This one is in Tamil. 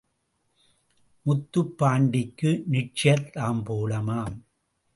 முத்துப்பாண்டிக்கு நிச்சயத் தாம்பூலமாம்.